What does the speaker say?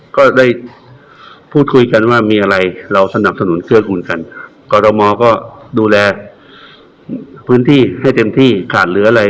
ก็ได้พูดคุยกันว่ามีอะไรเราสนับสนุนเกื้อกูลกันกรทมก็ดูแลพื้นที่ให้เต็มที่ขาดเหลืออะไร